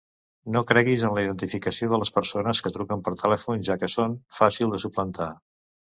No creguis en la identificació de les persones que truquen per telèfon, ja que són fàcil de suplantar.